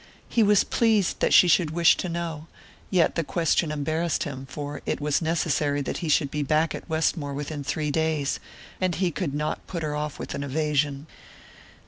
He was pleased that she should wish to know, yet the question embarrassed him, for it was necessary that he should be back at Westmore within three days, and he could not put her off with an evasion.